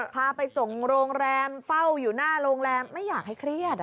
พาไปส่งโรงแรมเฝ้าอยู่หน้าโรงแรมไม่อยากให้เครียด